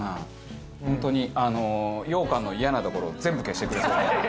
本当にあのようかんのイヤなところを全部消してくれそう。